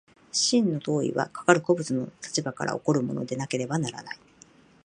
真の当為はかかる個物の立場から起こるものでなければならない。